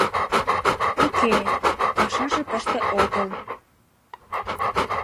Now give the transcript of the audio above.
Уке, пашаже тыште огыл.